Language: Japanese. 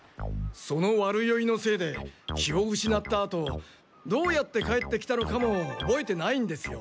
その悪酔いのせいで気を失ったあとどうやって帰ってきたのかも覚えてないんですよ。